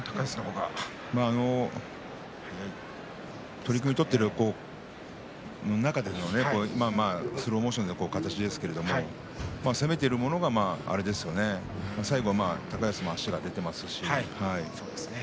取組を取っている中でスローモーションの形ですけど攻めているものが最後は高安の足が出ていますし。